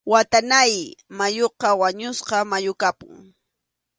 Watanáy mayuqa wañusqa mayu kapun.